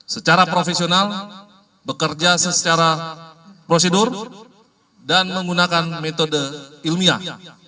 secara profesional bekerja secara prosedur dan menggunakan metode ilmiah